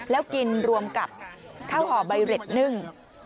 แล้วกินรวมกับข้าวห่อใบเร็ดนึ่ง